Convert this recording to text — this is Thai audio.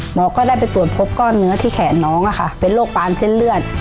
หมอก็ได้ไปตรวจพบก้อนเนื้อที่แขนน้องเป็นโรคปานเส้นเลือด